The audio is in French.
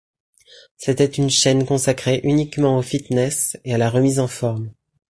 C'était une chaîne consacrée uniquement au fitness et à la remise en forme.